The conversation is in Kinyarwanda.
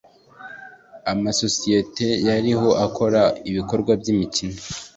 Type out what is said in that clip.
amasosiyeti yariho akora ibikorwa by imikino